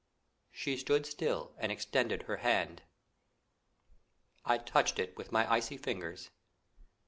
She stood still and extended her hand. I touched it with my icy fingers.